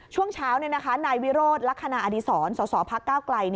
ช่วงเช้านายวิโรธลักษณะอดีศรสสพักก้าวไกล